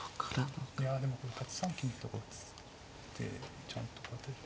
いやでも８三金とか打ってちゃんと勝てる。